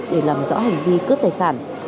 để làm rõ hành vi cướp tài sản